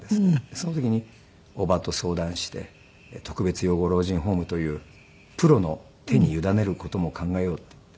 その時に叔母と相談して特別養護老人ホームというプロの手に委ねる事も考えようって言って。